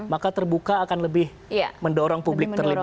maka terbuka akan lebih mendorong publik terlibat